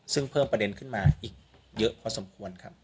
ซึ่งเพิ่มประเด็นขึ้นมาอีกเยอะพอสมควรครับ